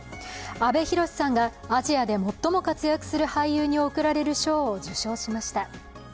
阿部寛さんがアジアで最も活躍する俳優に贈られる賞を受賞しました。